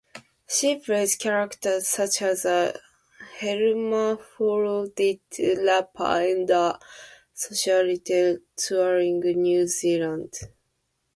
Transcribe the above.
She plays characters such as a hermaphrodite rapper and a socialite, touring New Zealand.